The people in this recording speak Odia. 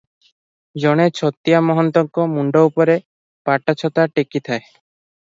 ଜଣେ ଛତିଆ ମହନ୍ତଙ୍କ ମୁଣ୍ଡ ଉପରେ ପାଟ ଛତା ଟେକିଥାଏ ।